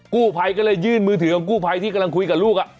กู้ภัยก็เลยยื่นมือถือของกู้ภัยที่กำลังคุยกับลูก